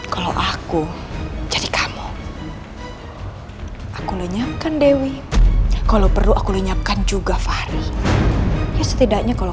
kalau aku jadi kamu aku lenyapkan dewi kalau perlu aku lenyapkan juga fahri ya setidaknya kalau